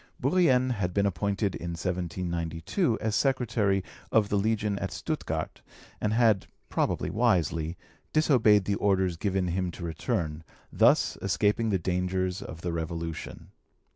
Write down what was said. Bourrienne had been appointed in 1792 as secretary of the Legation at Stuttgart, and had, probably wisely, disobeyed the orders given him to return, thus escaping the dangers of the Revolution.